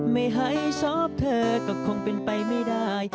ไม่ให้ชอบเธอก็คงเป็นไปไม่ได้